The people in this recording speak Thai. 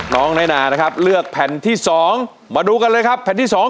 น้อยนานะครับเลือกแผ่นที่๒มาดูกันเลยครับแผ่นที่๒